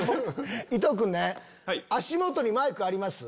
伊東君ね足元にマイクあります？